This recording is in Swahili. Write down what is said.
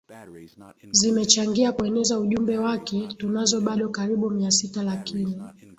zimechangia kueneza ujumbe wake Tunazo bado karibu Mia sita lakini